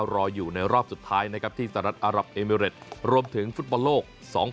รออยู่ในรอบสุดท้ายนะครับที่สหรัฐอารับเอมิเรตรวมถึงฟุตบอลโลก๒๐